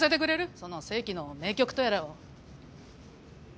その世紀の名曲とやらを。